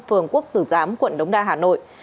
phường quốc tử giám quận đống đa hà nội